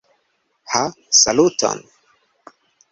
Ha, saluton!